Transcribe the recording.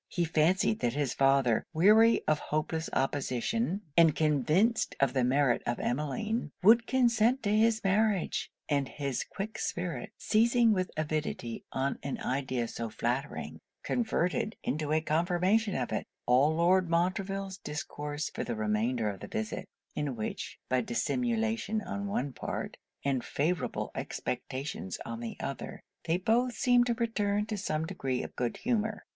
He fancied that his father, weary of hopeless opposition, and convinced of the merit of Emmeline, would consent to his marriage: and his quick spirit seizing with avidity on an idea so flattering, converted into a confirmation of it, all Lord Montreville's discourse for the remainder of the visit: in which, by dissimulation on one part, and favourable expectations on the other, they both seemed to return to some degree of good humour.